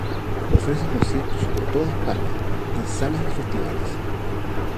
Ofrecen conciertos por toda España, en salas y festivales.